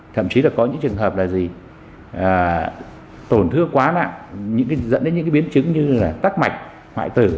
thậm chí là có những trường hợp là gì tổn thương quá nặng dẫn đến những biến chứng như là tắc mạch hoại tử